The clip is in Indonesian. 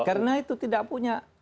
karena itu tidak punya